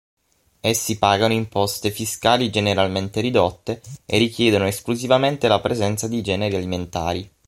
Essi pagano imposte fiscali generalmente ridotte, e richiedono esclusivamente la presenza di generi alimentari.